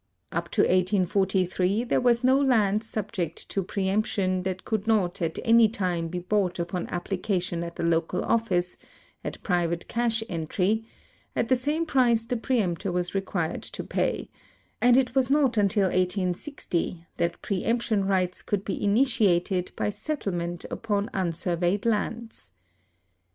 Up to 1843 there was no land subject to preemption that could not at any time be bought upon application at the local office, at private cash entry, at the same price the preemptor was required to pay, and it was not until 1860 that preemption rights could be initiated b}'' set tlement upon unsurveyed lands.